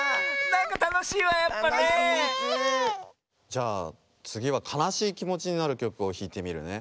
じゃあつぎはかなしいきもちになるきょくをひいてみるね。